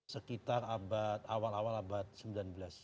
sekitar awal awal abad sembilan belas